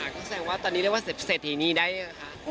ก็แสดงว่าตอนนี้เรียกว่าเศรษฐีนี้ได้ยังคะ